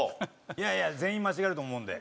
いやいや全員間違えると思うんで。